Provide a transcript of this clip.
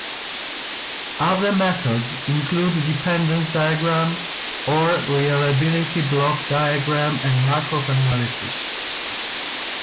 Other methods include dependence diagram or reliability block diagram and Markov Analysis.